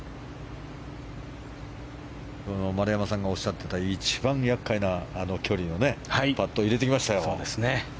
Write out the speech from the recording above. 丸山さんがおっしゃってた一番厄介な距離のパットを入れてきましたよ。